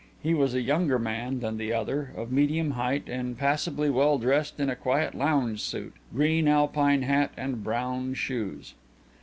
He was a younger man than the other, of medium height, and passably well dressed in a quiet lounge suit, green Alpine hat and brown shoes.